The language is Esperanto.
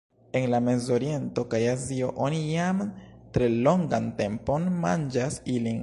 En la Mezoriento kaj Azio oni jam tre longan tempon manĝas ilin.